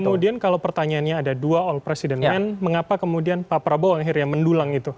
kemudian kalau pertanyaannya ada dua all president men mengapa kemudian pak prabowo akhirnya mendulang itu